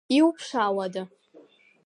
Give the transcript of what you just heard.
Иуԥшаауада?